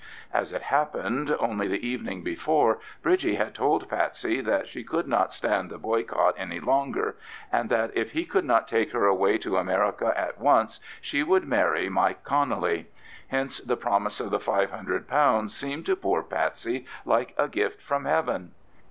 As it happened, only the evening before, Bridgie had told Patsey that she could not stand the boycott any longer, and that if he could not take her away to America at once she would marry Mike Connelly; hence the promise of the £500 seemed to poor Patsey like a gift from heaven.